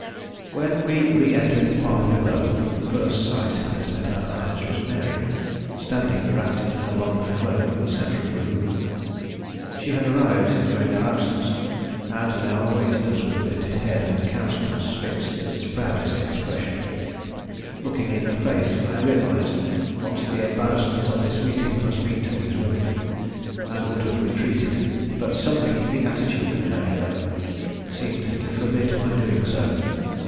When we re entered the parlor below, the first sight that met our eyes was Mary, standing wrapped in her long cloak in the centre of the room. She had arrived during our absence, and now awaited us with lifted head and countenance fixed in its proudest expression. Looking in her face, I realized what the embarrassment of this meeting must be to these women, and would have retreated, but something in the attitude of Mary Leavenworth seemed to forbid my doing so.